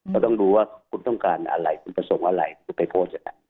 เราต้องรู้ว่าคุณต้องการอะไรคุณจะส่งอะไรคุณไปโพสต์อย่างนั้น